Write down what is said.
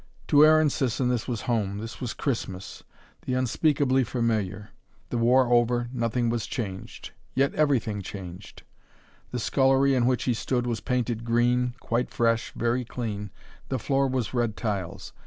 To Aaron Sisson, this was home, this was Christmas: the unspeakably familiar. The war over, nothing was changed. Yet everything changed. The scullery in which he stood was painted green, quite fresh, very clean, the floor was red tiles.